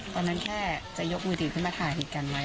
ตอนนั้นแค่จะยกมือถือขึ้นมาถ่ายเหตุการณ์ไว้